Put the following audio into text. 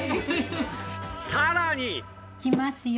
さらにいきますよ。